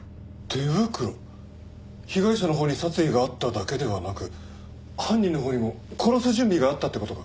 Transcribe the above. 手袋被害者のほうに殺意があっただけではなく犯人のほうにも殺す準備があったって事か。